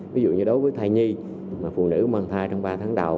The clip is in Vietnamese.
ví dụ như đối với thai nhi phụ nữ mang thai trong ba tháng đầu